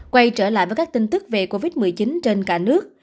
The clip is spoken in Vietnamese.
quay trở lại với các tin tức về covid một mươi chín trên cả nước